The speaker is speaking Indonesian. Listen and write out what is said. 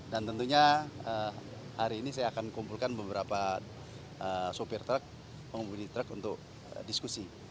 dan tentunya hari ini saya akan kumpulkan beberapa sopir truk pemilik truk untuk diskusi